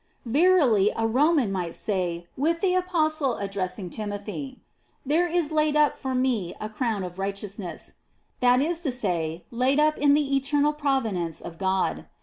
Verily, a Roman might say with the Apostle addressing Timothy, " There is laid up for me a crown of righteousness "'— that is to say, laid up in the eternal providence of God.